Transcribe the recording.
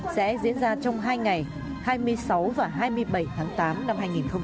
sẽ diễn ra trong hai ngày hai mươi sáu và hai mươi bảy tháng tám năm hai nghìn hai mươi